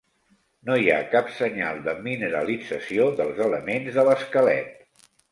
No hi ha cap senyal de mineralització dels elements de l'esquelet.